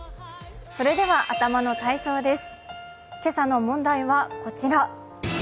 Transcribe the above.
それでは頭の体操です。